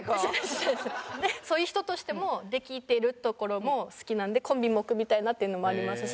そういう人としても出来てるところも好きなんでコンビも組みたいなっていうのもありますし。